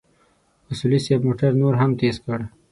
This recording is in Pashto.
اصولي صیب موټر نور هم تېز کړ.